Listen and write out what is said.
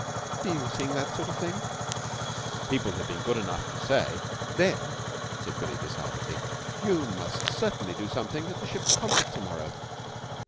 "Do you sing that sort of thing?" "People have been good enough to say...." "Then," said Billie decidedly, "you must certainly do something at the ship's concert to morrow!